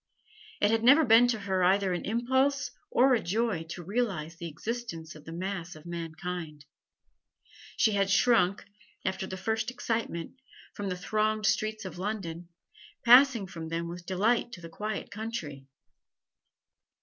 It had never been to her either an impulse or a joy to realise the existence of the mass of mankind; she had shrunk, after the first excitement, from the thronged streets of London, passing from them with delight to the quiet country.